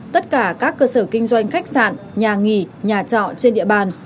tất cả các cơ sở kinh doanh khách sạn nhà nghỉ nhà trọ trên địa bàn